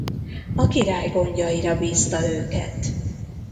A király gondjaira bízta őket.